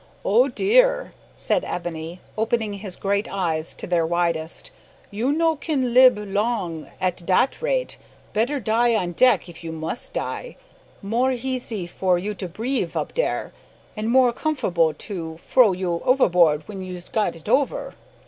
"Oh dear!" said Ebony, opening his great eyes to their widest. "You no kin lib long at dat rate. Better die on deck if you mus' die; more heasy for you to breeve up dar, an' more comf'rable to fro you overboard w'en you's got it over."